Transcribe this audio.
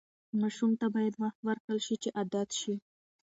ماشوم ته باید وخت ورکړل شي چې عادت شي.